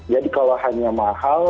jadi kalau hanya mahal